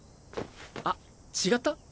あっ違った？